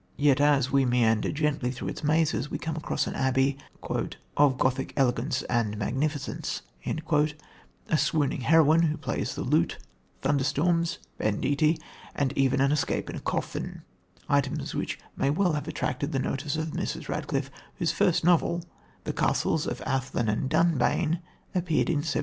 Yet as we meander gently through its mazes we come across an abbey "of Gothic elegance and magnificence," a swooning heroine who plays the lute, thunderstorms, banditti and even an escape in a coffin items which may well have attracted the notice of Mrs. Radcliffe, whose first novel, The Castles of Athlin and Dunbayne, appeared in 1789.